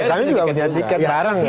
kami juga punya tiket bareng